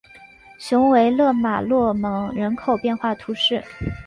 雄维勒马洛蒙人口变化图示